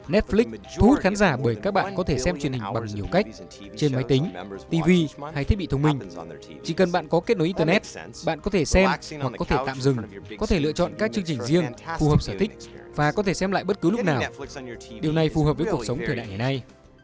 netflix thu hút khán giả bởi các bạn có thể xem truyền hình bằng nhiều cách trên máy tính tv hay thiết bị thông minh chỉ cần bạn có kết nối internet bạn có thể xem hoặc có thể tạm dừng có thể lựa chọn các chương trình riêng phù hợp sở thích và có thể xem lại bất cứ lúc nào điều này phù hợp với cuộc sống thời đại ngày nay